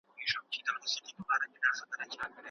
ټولنیز نهاد د ټولنې اړتیا پوره کوي.